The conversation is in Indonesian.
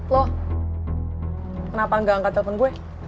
lo kenapa gak angkat telepon gue